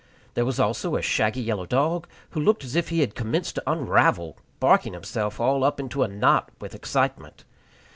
There was also a shaggy yellow dog, who looked as if he had commenced to unravel, barking himself all up into a knot with excitement.